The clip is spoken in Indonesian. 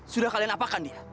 sudah kalian apakan dia